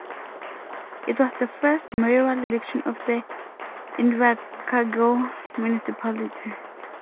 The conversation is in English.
It was the first mayoral election of the Invercargill municipality.